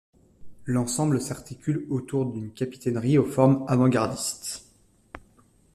L'ensemble s'articule autour d'une capitainerie aux formes avant-gardistes.